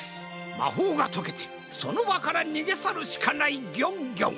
まほうがとけてそのばからにげさるしかないギョンギョン！